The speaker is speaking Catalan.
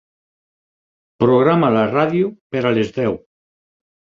Programa la ràdio per a les deu.